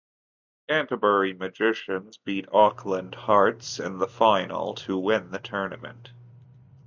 Canterbury Magicians beat Auckland Hearts in the final to win the tournament.